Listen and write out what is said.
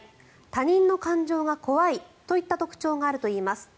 他人の感情が怖いといった特徴があるといいます。